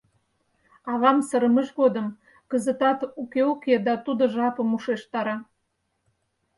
Авам сырымыж годым кызытат уке-уке да тудо жапым ушештара: